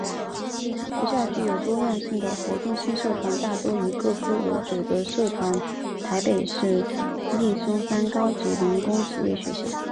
学校具有多样性的活动性社团大多以各科为主的社团台北市立松山高级工农职业学校